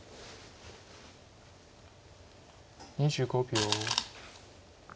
２５秒。